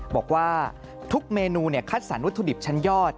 บอกว่าทุกเมนูคัดสรรวัตถุดิบชั้นยอด